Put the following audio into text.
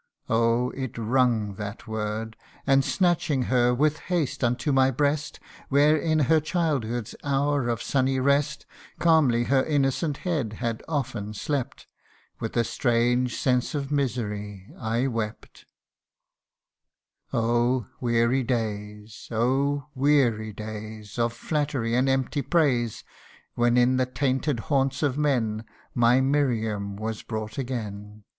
Oh ! it wrung, that word ; And snatching her with haste unto my breast, Where in her childhood's hour of sunny rest Calmly her innocent head had often slept, With a strange sense of misery I wept. 102 THE UNDYING ONE. " Oh ! weary days, oh ! weary days, Of flattery and empty praise, When in the tainted haunts of men My Miriam was brought again.